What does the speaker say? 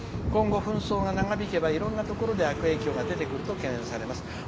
今後、紛争が長引けばいろんなところで悪影響が出てくると懸念されます。